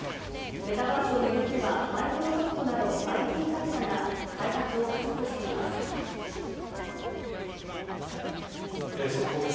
メタバースを巡っては、マイクロソフトなど、ＩＴ各社が開発を加速報です。